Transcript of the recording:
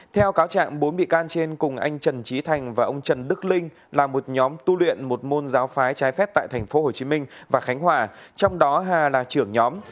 theo cáo trạng bốn bị can trên cùng anh trần trí thành và ông trần đức linh là một nhóm tu luyện một môn giáo phái trái phép tại thành phố hồ chí minh và khánh hòa trong đó hà là trưởng nhóm